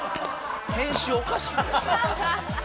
編集おかしいって。